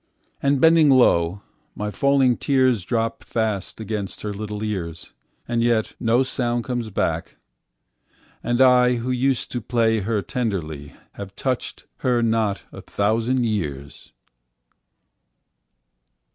And bending low, my falling tearsDrop fast against her little ears, And yet no sound comes back, and IWho used to play her tenderlyHave touched her not a thousand years.